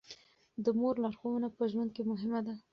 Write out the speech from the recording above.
د مور لارښوونه په ژوند کې مهمه ده.